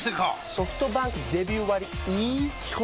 ソフトバンクデビュー割イズ基本